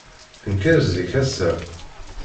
Tenker zik, ass-a.